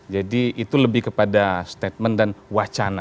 jadi itu lebih kepada statement dan wacana